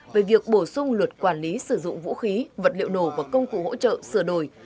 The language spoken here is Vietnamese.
về việc bổ sung luật quản lý sử dụng vũ khí vật liệu nổ và công cụ hỗ trợ sửa đổi